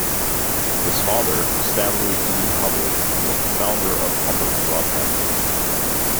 His father, Stanley E. Hubbard, was the founder of Hubbard Broadcasting.